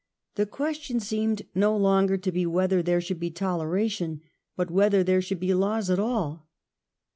The question seemed no longer to be whether there should be Toleration, but whether there should be laws at all.